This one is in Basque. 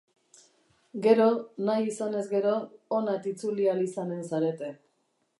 Gero, nahi izanez gero, honat itzuli ahal izanen zarete.